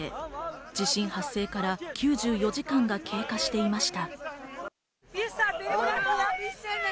地震発生から９４時間が経過していました。